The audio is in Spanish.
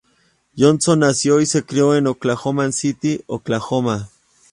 Johnson nació y se crio en Oklahoma City, Oklahoma.